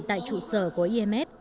tại trụ sở của imf